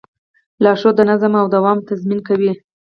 لارښود د نظم او دوام تضمین کوي.